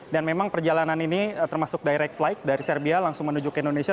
dan memang perjalanan ini termasuk direct flight dari serbia langsung menuju ke indonesia